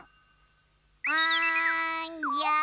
あんじゃ。